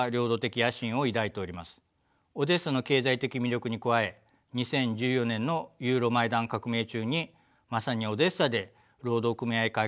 オデーサの経済的魅力に加え２０１４年のユーロマイダン革命中にまさにオデーサで労働組合会館放火事件が起こりました。